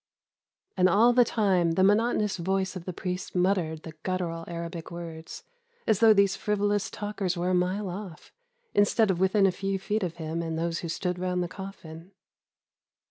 "And all the time the monotonous voice of the priest muttered the guttural Arabic words, as though these frivolous talkers were a mile off, instead of within a few feet of him and those who stood round the coffin.